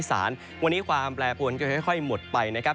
โดยเฉพาะเหนืออิสานวันนี้ความแปรพวนทุกวันก็ค่อยหมดไปนะครับ